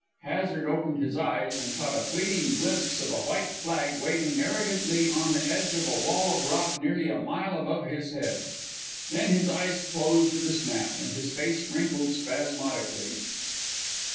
Hazard opened his eyes, and caught a fleeting glimpse of a white flag waving arrogantly on the edge of a wall of rock nearly a mile above his head. Then his eyes closed with a snap, and his face wrinkled spasmodically.